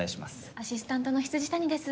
アシスタントの未谷です。